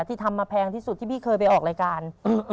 ที่ทำมาแพงที่สุดที่พี่เคยไปออกรายการ